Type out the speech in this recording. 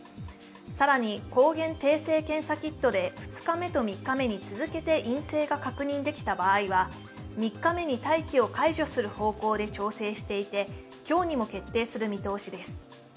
更に、抗原定性検査キットで２日目と３日目に続けて陰性が確認できた場合は、３日目に待機を解除する方向で調整していて今日にも決定する見通しです。